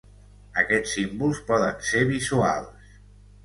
Aquests símbols poden ser visuals